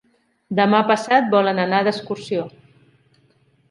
Demà passat volen anar d'excursió.